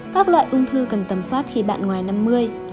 các loại ung thư cần tầm soát khi bạn ngoài năm mươi